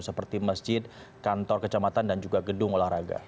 seperti masjid kantor kecamatan dan juga gedung olahraga